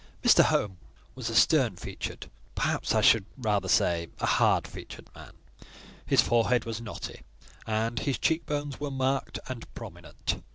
Mr. Home was a stern featured—perhaps I should rather say, a hard featured man: his forehead was knotty, and his cheekbones were marked and prominent.